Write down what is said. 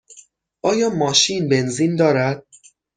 آیا ماشین بنزین دارد؟